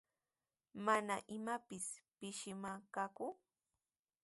Mana imapis pishimanqaku.